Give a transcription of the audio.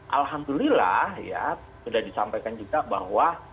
alhamdulillah ya sudah disampaikan juga bahwa